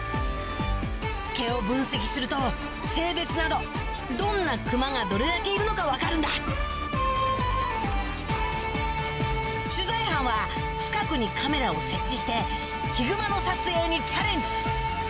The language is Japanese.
毛を分析すると性別などどんなクマがどれだけいるのか分かるんだ取材班は近くにカメラを設置してヒグマの撮影にチャレンジ